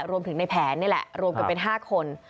รวมถึงในแผนนี่แหละรวมกันเป็น๕คน